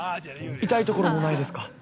痛いところもないですか？